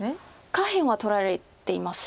下辺は取られています。